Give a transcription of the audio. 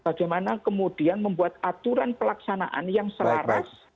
bagaimana kemudian membuat aturan pelaksanaan yang selaras